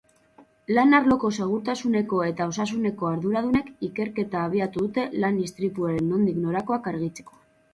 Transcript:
Lan arloko segurtasuneko eta osasuneko arduradunek ikerketa abiatu dute lan-istripuaren nondik norakoak argitzeko.